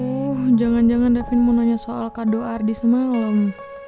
tuh jangan jangan davin mau nanya soal kado ardi semalam